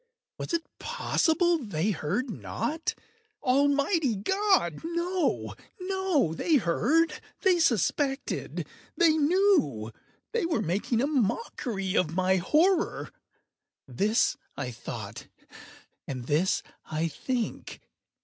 Was it possible they heard not? Almighty God!—no, no! They heard!—they suspected!—they knew!—they were making a mockery of my horror!—this I thought, and this I think.